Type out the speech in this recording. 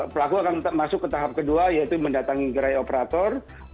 pelaku akan masuk ke tahap kedua yaitu mendatangi gerai operator